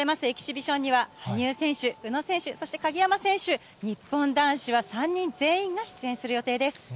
エキシビションには、羽生選手、宇野選手、そして鍵山選手、日本男子は３人全員が出演する予定です。